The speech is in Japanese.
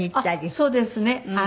そうですね。